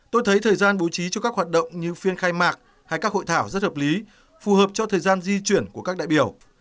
tôi thấy thời gian bố trí cho các hoạt động như phiên khai mạc hay các hội thảo rất hợp lý phù hợp cho thời gian di chuyển của các đại biểu